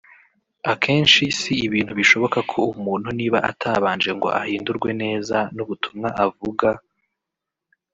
Akenshi si ibintu bishoboka ko umuntu niba atabanje ngo ahindurwe neza n’ubutumwa avuga